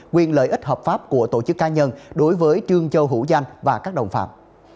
quyền lợi ích hợp pháp của tổ chức cá nhân đối với trương châu hữu danh và các đồng phạm